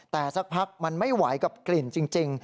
แต่สักพักมันไม่ไหวกับกลิ่นจริง